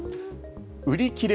売り切れ